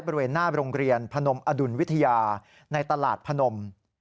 บริเวณหน้าโรงเรียนพนมอดุลวิทยาในตลาดพนม